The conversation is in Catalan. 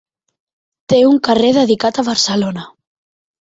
Té un carrer dedicat a Barcelona.